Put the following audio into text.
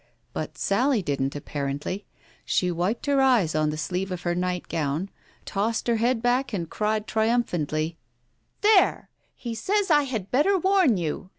But Sally didn't, apparently. She wiped her eyes on the sleeve of her nightgown, tossed her head back and cried triumphantly — "There, he says I had better warn you